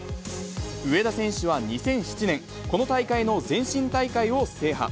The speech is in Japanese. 上田選手は２００７年、この大会の前身大会を制覇。